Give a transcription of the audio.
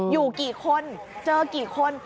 อยู่กี่คนเจอกี่คน